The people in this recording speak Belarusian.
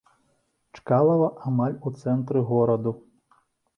Чкалава, амаль у цэнтры гораду.